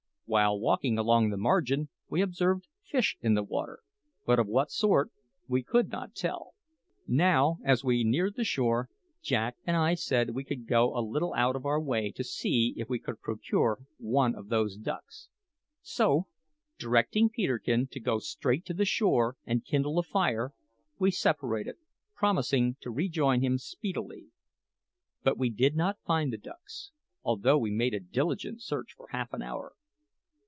While walking along the margin we observed fish in the water, but of what sort we could not tell. Now, as we neared the shore, Jack and I said we would go a little out of our way to see if we could procure one of those ducks; so, directing Peterkin to go straight to the shore and kindle a fire, we separated, promising to rejoin him speedily. But we did not find the ducks, although we made a diligent search for half an hour.